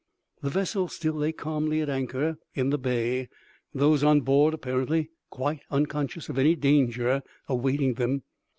The vessel still lay calmly at anchor in the bay, those on board being apparently quite unconscious of any danger awaiting them.